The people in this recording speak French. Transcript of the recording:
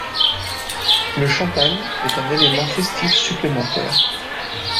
Le champagne est un élément festif supplémentaire.